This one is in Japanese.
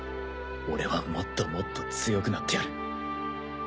俺はもっともっと強くなってやる。